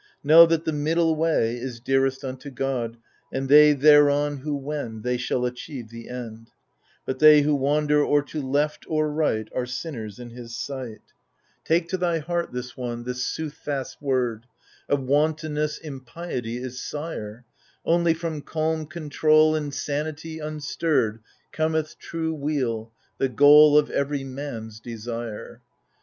Know that the middle way Is dearest unto God, and they thereon who wend. They shall achieve the end ; But they who wander or to left or right Are sinners in his sight i6o THE FURIES Take to thy heart this one, this soothfast word — Of wantonness impiety is sire ; Only from calm control and sanity unstirred Cometh true weal, the goal of every man's desire.